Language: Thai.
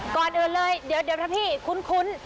ก่อนเออเลยเดี๋ยวพี่คุ้น